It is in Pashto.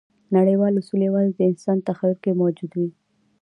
نړیوال اصول یواځې د انسان تخیل کې موجود دي.